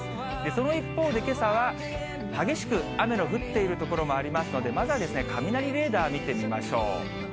その一方でけさは激しく雨の降っている所もありますので、まずは雷レーダー見てみましょう。